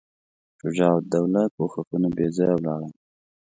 شجاع الدوله کوښښونه بېځایه ولاړل.